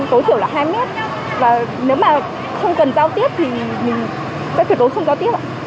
cố chiều là hai mét và nếu mà không cần giao tiếp thì mình phải cố không giao tiếp